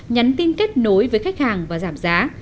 nhắn tin kết nối với khách hàng và giảm giá